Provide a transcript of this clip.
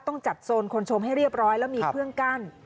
ต้องจัดโซนคนชมให้เรียบร้อยแล้วมีเครื่องกั้น